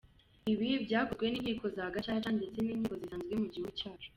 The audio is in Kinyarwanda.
Ibi byakozwe n’inkiko za Gacaca, ndetse n’inkiko zisanzwe mu gihugu cyacu!